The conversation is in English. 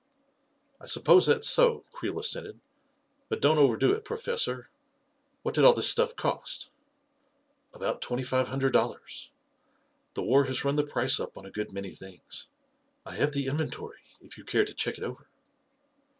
" I suppose that's so," Creel assented ;" but don't overdo it, Professor. What did all this stuff cost ?" "About twenty five hundred dollars. The war has run the price up on a good many things. I have the inventory, if you care to check it over."